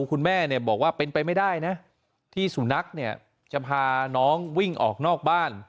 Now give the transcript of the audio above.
คุณแม่บอกว่าเป็นไปไม่ได้นะที่สุนัขเนี่ยจะพาน้องวิ่งออกนอกบ้าน